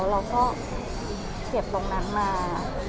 เราก็เก็บตรงนั้นมา